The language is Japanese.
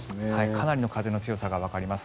かなりの風の強さがわかります。